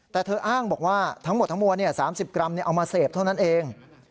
แต่เธออ้างบอกว่าทั้งหมดทั้งมวล๓๐กรัมเอามาเสพเท่านั้นเอง